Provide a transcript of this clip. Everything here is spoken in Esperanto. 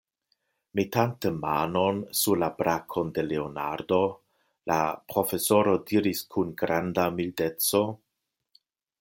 Metante manon sur la brakon de Leonardo, la profesoro diris kun granda mildeco: